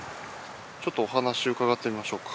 ちょっとお話伺ってみましょうか。